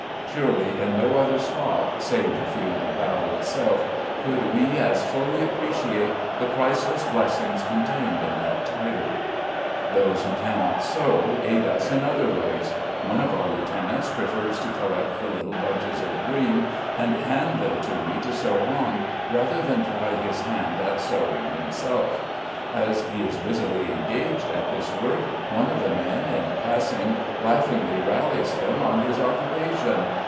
Surely in no other spot, save the field of battle itself, could we as fully appreciate the priceless blessings contained in that Title. Those who cannot sew, aid us in other ways. One of our lieutenants prefers to collect the little bunches of green, and hand them to me to sew on, rather than try his hand at sewing himself; as he is busily engaged at this work, one of the men, in passing, laughingly rallies him on his occupation.